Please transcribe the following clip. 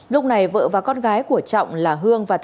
lúc này vợ và con gái của trọng là hương và